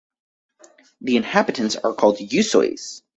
The inhabitants are called "Yussois".